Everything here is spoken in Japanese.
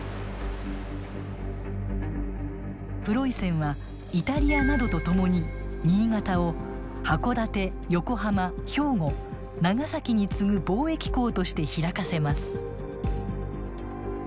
プロイセンはイタリアなどと共に新潟を箱館横浜兵庫長崎に次ぐ貿易港として開かせます。